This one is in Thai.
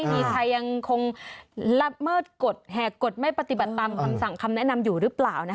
มีใครยังคงละเมิดกฎแหกกฎไม่ปฏิบัติตามคำสั่งคำแนะนำอยู่หรือเปล่า